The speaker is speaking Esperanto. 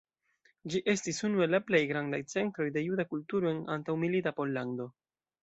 Ĝi estis unu el la plej grandaj centroj de juda kulturo en antaŭmilita Pollando.